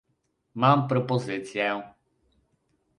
Mam propozycję